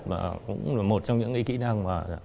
mà cũng là một trong những kỹ năng